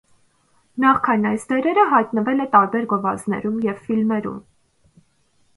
Նախքան այս դերերը հայտնվել է տարբեր գովազդներում և ֆիլմերում։